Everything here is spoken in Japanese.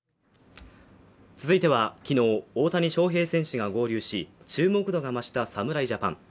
続いては、昨日、大谷翔平選手が合流し、注目度が増した侍ジャパン。